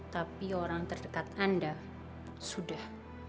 tapi orang terdekat anda sudah